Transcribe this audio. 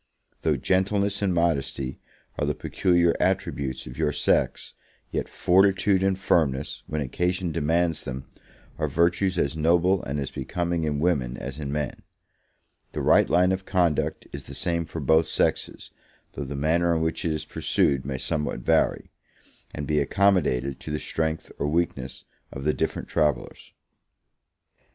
Though gentleness and modesty are the peculiar attributes of your sex, yet fortitude and firmness, when occasion demands them, are virtues as noble and as becoming in women as in men: the right line of conduct is the same for both sexes, though the manner in which it is pursued may somewhat vary, and be accommodated to the strength or weakness of the different travellers.